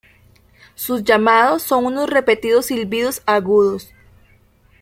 Sus llamados son unos repetidos silbidos agudos.